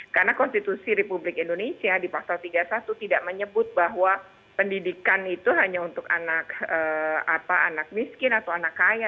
karena konstitusi republik indonesia di pasal tiga puluh satu tidak menyebut bahwa pendidikan itu hanya untuk anak miskin atau anak kaya